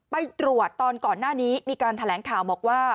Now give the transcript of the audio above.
ไปตรวจตอนก่อนหน้านี้มีการแถลงข่าวบอกว่า